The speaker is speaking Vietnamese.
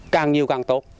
càng nhiều càng tốt